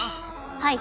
はい。